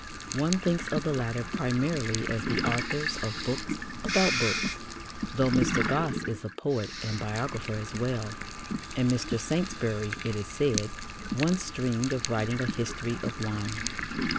One thinks of the latter primarily as the authors of books about books, though Mr. Gosse is a poet and biographer as well, and Mr. Saintsbury, it is said, once dreamed of writing a history of wine.